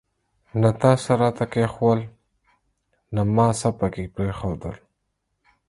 نه تا څه راته کښېښوول ، نه ما څه پکښي پريښودل.